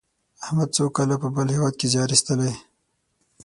احمد څو کاله په بل هېواد کې زیار ایستلی.